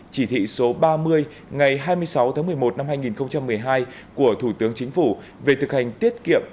chỉ thị số ba mươi ngày hai mươi sáu tháng một mươi một năm hai nghìn một mươi hai của thủ tướng chính phủ về thực hành tiết kiệm